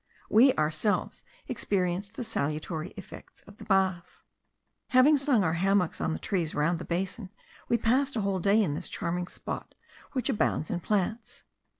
We ourselves experienced the salutary effects of the bath. Having slung our hammocks on the trees round the basin, we passed a whole day in this charming spot, which abounds in plants.